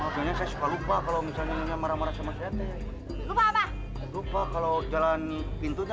marah saya maafnya saya suka lupa kalau misalnya marah marah sama saya lupa kalau jalan pintunya